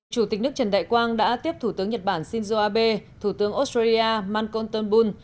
chủ tịch nước trần đại quang đã tiếp thủ tướng nhật bản shinzo abe thủ tướng australia mancon tenbun